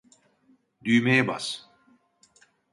Düğmeye bas!